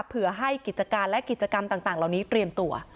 เผื่อให้กิจการและกิจกรรมต่างเหล่านี้เตรียมตัว